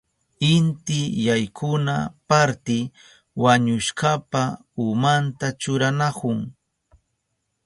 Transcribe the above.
Inti yaykuna parti wañushkapa umanta churanahun.